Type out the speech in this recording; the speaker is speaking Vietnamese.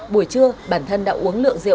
buổi trưa bản thân đã uống lượng rượu